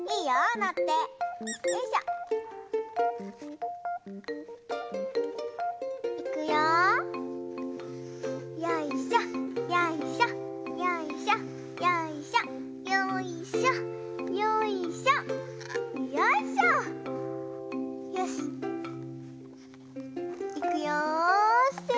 よし！